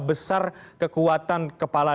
besar kekuatan kepala